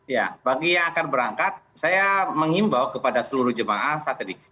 ya bagi yang akan berangkat saya mengimbau kepada seluruh jemaah saat ini